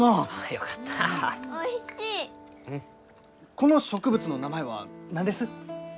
この植物の名前は何です？